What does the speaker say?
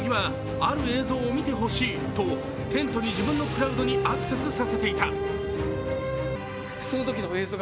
なぜなら、この以前に乃木はある映像を見てほしいとテントに自分のクラウドにアクセスさせていた。